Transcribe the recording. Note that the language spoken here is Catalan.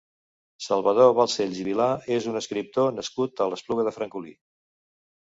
Salvador Balcells i Vilà és un escriptor nascut a l'Espluga de Francolí.